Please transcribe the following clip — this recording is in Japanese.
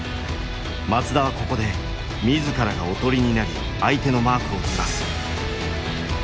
松田はここで自らがおとりになり相手のマークをずらす。